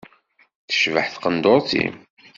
Tecbeḥ tqenduṛṭ-im.